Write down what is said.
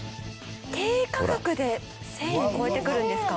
低価格で１０００円超えてくるんですか？